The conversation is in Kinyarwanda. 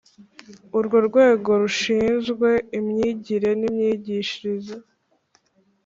Urwego rushinzwe imyigire n’imyigishirize